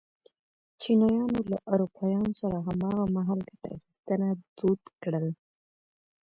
چینایانو له اروپایانو سره هماغه مهال ګته اخیستنه دود کړل.